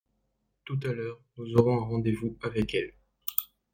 Tout à l’heure nous aurons un rendez-vous avec elles.